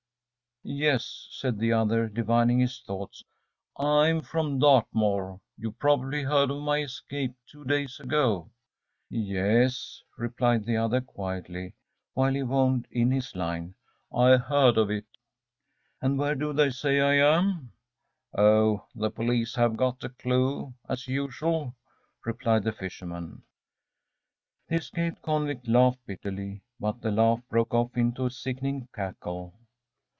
‚ÄúYes,‚ÄĚ said the other, divining his thoughts, “I'm from Dartmoor. You probably heard of my escape two days ago.‚ÄĚ ‚ÄúYes,‚ÄĚ replied the other, quietly, while he wound in his line. “I heard of it.‚ÄĚ “And where do they say I am?‚ÄĚ “Oh, the police have got a clue as usual,‚ÄĚ replied the fisherman. The escaped convict laughed bitterly, but the laugh broke off into a sickening cackle.